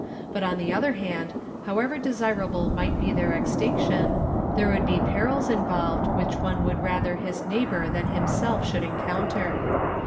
But on the other hand, however desirable might be their extinction, there would be perils involved, which one would rather his neighbour than himself should encounter.